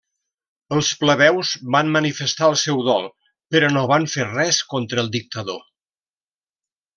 Els plebeus van manifestar el seu dol però no van fer res contra el dictador.